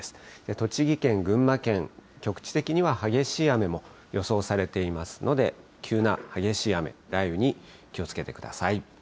栃木県、群馬県、局地的には激しい雨も予想されていますので、急な激しい雨、雷雨に気をつけてください。